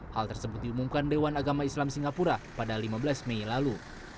hal tersebut diumumkan dewan agama islam singapura pada lima belas mei lalu